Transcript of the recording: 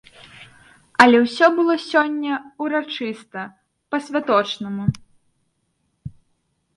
Але ўсё было сёння ўрачыста, па-святочнаму.